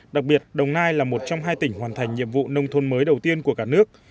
đặc biệt đồng nai là một trong hai tỉnh hoàn thành nhiệm vụ nông thôn mới đầu tiên của cả nước